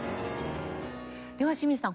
では清水さん